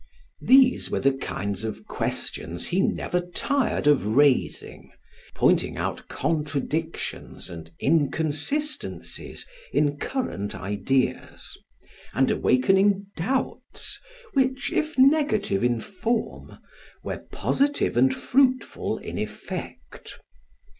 these were the kinds of questions he never tired of raising, pointing out contradictions and inconsistencies in current ideas, and awakening doubts which if negative in form were positive and fruitful in effect.